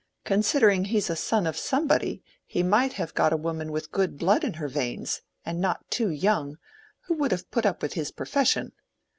Considering he's a son of somebody, he might have got a woman with good blood in her veins, and not too young, who would have put up with his profession.